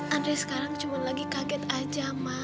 andre sekarang cuma lagi kaget aja mak